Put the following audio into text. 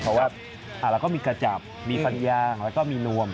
เพราะว่าเราก็มีกระจับมีฟันยางแล้วก็มีนวม